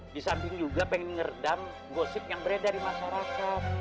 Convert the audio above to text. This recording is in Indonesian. di samping juga pengen ngeredam gosip yang beredar di masyarakat